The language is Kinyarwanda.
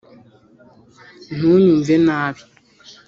Ntunyumve nabi